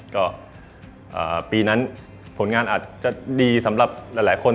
ก็ปีนั้นผลงานอาจจะดีสำหรับหลายคน